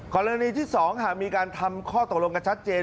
กรณีที่๒หากมีการทำข้อตกลงกันชัดเจน